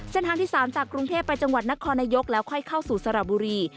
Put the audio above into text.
เส้นทางที่๓จากกรุงเทพไปจังหวัดนครนายกแล้วค่อยเข้าสู่สระบุรี